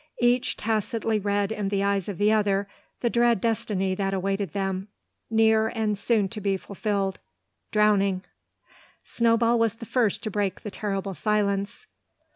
Each tacitly read in the eyes of the other the dread destiny that awaited them, near, and soon to be fulfilled, drowning! Snowball was the first to break the terrible silence.